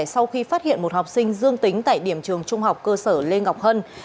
sau khi phát hiện một học sinh dương tính tại điểm trường trung học cơ sở lê ngọc hân